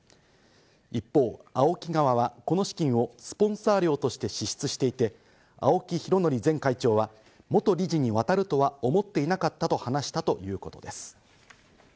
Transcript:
一方、ＡＯＫＩ側はこの資金をスポンサー料として支出していて、青木拡憲前会長は元理事に渡るとは思っていなかったと話したということです。